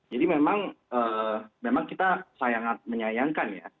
jadi memang memang kita menyayangkan ya